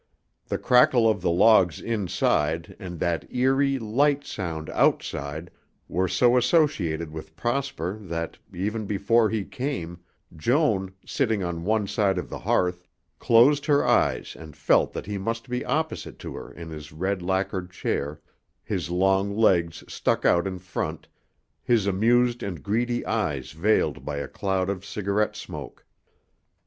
The crackle of the logs inside and that eerie, light sound outside were so associated with Prosper that, even before he came, Joan, sitting on one side of the hearth, closed her eyes and felt that he must be opposite to her in his red lacquered chair, his long legs stuck out in front, his amused and greedy eyes veiled by a cloud of cigarette smoke.